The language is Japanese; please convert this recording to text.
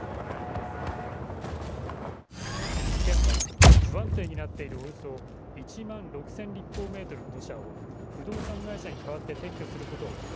県は、不安定になっているおよそ１万６０００立方メートルの土砂を不動産会社に代わって撤去することを決め